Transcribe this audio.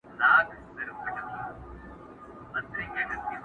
مګر سوځي یو د بل کلي کورونه.!